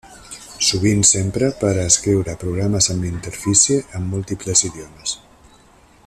Sovint s'empra per a escriure programes amb interfície en múltiples idiomes.